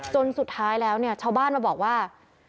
จนสุดท้ายแล้วเนี่ยชาวบ้านมาบอกว่า